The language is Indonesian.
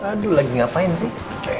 aduh lagi ngapain sih